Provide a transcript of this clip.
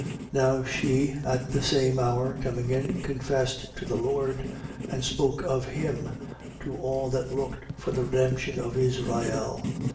2:38. Now she, at the same hour, coming in, confessed to the Lord: and spoke of him to all that looked for the redemption of Israel.